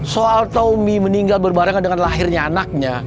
soal tommy meninggal berbarengan dengan lahirnya anaknya